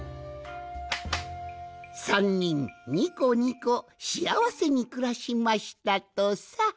３にんにこにこしあわせにくらしましたとさ。